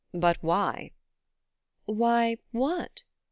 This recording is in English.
"But why?" "Why what?"